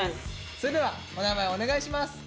それではお名前お願いします。